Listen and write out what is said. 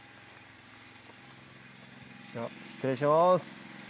失礼します。